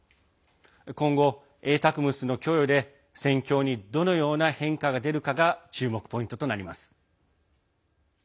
今後「ＡＴＡＣＭＳ」の供与で戦況にどのような変化が出るかが注目ポイントとなります。